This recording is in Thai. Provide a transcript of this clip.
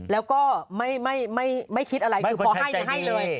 แล้วก็ไม่คิดอะไรคือพอให้ให้เลย